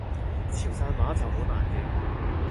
潮汕話就好難嘅